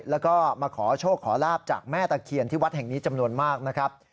แล้วก็มาขอโชคขอลาบจากแม่ตะเคียนที่วัดแห่งนี้จำนวนมากนะครับ